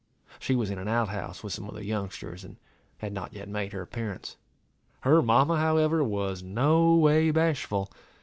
She was in an out house with some other youngsters, and had not yet made her appearance. Her mamma, however, was no way bashful.